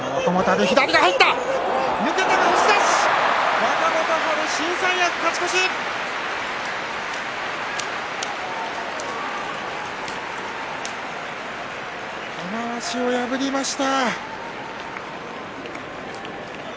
若元春玉鷲を破りました。